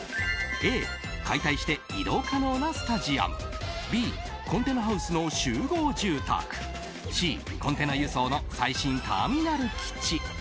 Ａ、解体して移動可能なスタジアムＢ、コンテナハウスの集合住宅Ｃ、コンテナ輸送の最新ターミナル基地。